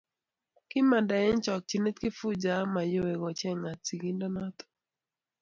Kimanda eng chokchinet Kifuja ak mayowe kochengat sigindonoto